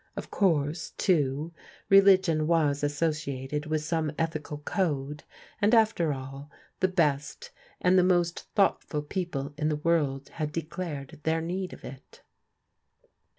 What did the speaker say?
Of course, too, religion was associated with some ethical code, and after all, the best and the most thought ful people in the world had declared their need of it.